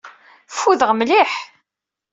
Ffudeɣ mliḥ.